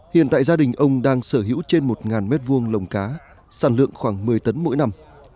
hiện tại gia đình ông đang sở hữu trên một m hai lồng cá sản lượng khoảng một mươi tấn mỗi năm